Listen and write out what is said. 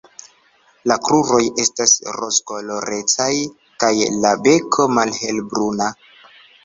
La kruroj estas rozkolorecaj kaj la beko malhelbruna.